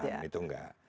kecepatan itu enggak